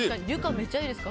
めちゃいいですね。